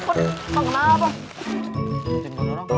kok bang kenapa